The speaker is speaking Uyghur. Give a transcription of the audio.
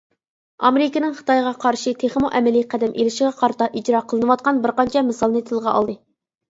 ئامېرىكىنىڭ خىتايغا قارشى تېخىمۇ ئەمەلىي قەدەم ئېلىشىغا قارىتا ئىجرا قىلىنىۋاتقان بىر قانچە مىسالنى تىلغا ئالدى.